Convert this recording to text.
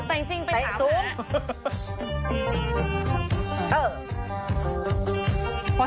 แต่จริงเป็นสามคน